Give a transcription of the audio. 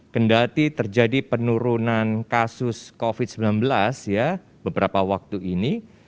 kendati terjadi penurunan kasus covid sembilan belas ya beberapa waktu ini